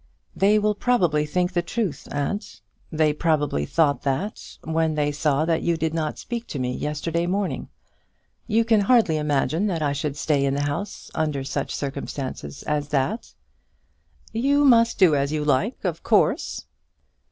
"They will probably think the truth, aunt. They probably thought that, when they saw that you did not speak to me yesterday morning. You can hardly imagine that I should stay in the house under such circumstances as that." "You must do as you like, of course."